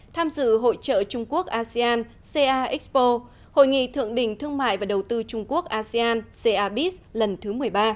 tham dự hội trợ trung quốc asean ca expo hội nghị thượng đỉnh thương mại và đầu tư trung quốc asean carbis lần thứ một mươi ba